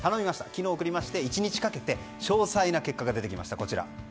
昨日送りまして１日かけて詳細な結果が出てきました。